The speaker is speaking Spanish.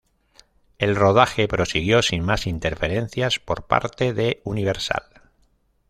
El rodaje prosiguió sin más interferencias por parte de Universal.